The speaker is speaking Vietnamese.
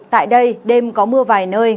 tại đây đêm có mưa vài nơi